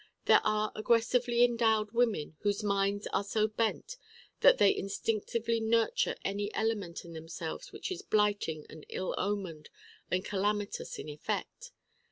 There are aggressively endowed women whose minds are so bent that they instinctively nurture any element in themselves which is blighting and ill omened and calamitous in effect.